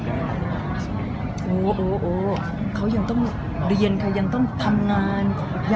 โอ้โหเขายังต้องเรียนค่ะยังต้องทำงาน